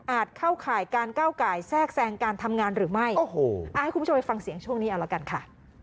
เข้าข่ายการก้าวไก่แทรกแทรงการทำงานหรือไม่โอ้โหให้คุณผู้ชมไปฟังเสียงช่วงนี้เอาละกันค่ะ